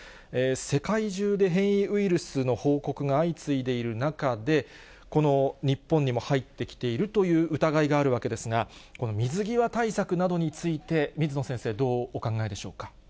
世界中で変異ウイルスの報告が相次いでいる中で、この日本にも入ってきているという疑いがあるわけですが、この水際対策などについて、水野先生、どうお考えでしょうか。